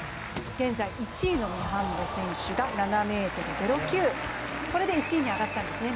現在１位のミハンボ選手が７ｍ０９、これで１位に上がったんですね。